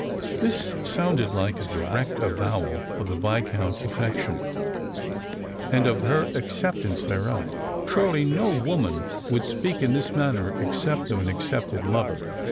This sounded like a direct avowal of the Viscount's affection, and of her acceptance thereof; surely no woman would speak in this manner except of an accepted lover.